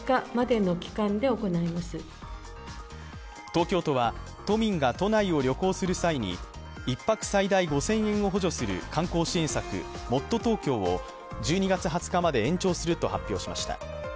東京都は都民が都内を旅行する際に１泊最大５０００円を補助する観光支援策、もっとＴｏｋｙｏを１２月２０日まで延長すると発表しました。